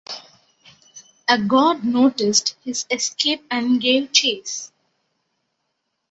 A guard noticed his escape and gave chase.